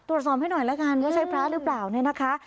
ตรวจสอบให้หน่อยแล้วกันว่าใช่พระหรือเปล่าเนี่ยนะคะ